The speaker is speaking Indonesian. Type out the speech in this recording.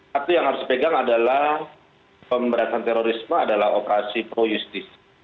satu yang harus dipegang adalah pemberantasan terorisme adalah operasi pro justisi